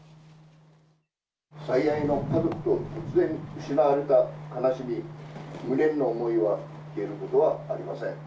最愛の家族を突然、失われた悲しみ、無念の思いは消えることはありません。